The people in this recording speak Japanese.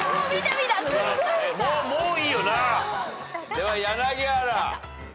では柳原。